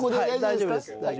大丈夫です。